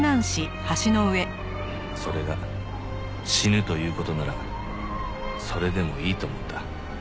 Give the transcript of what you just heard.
それが死ぬという事ならそれでもいいと思った。